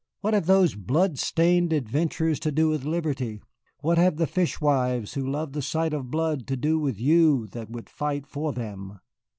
What have those blood stained adventurers to do with Liberty, what have the fish wives who love the sight of blood to do with you that would fight for them?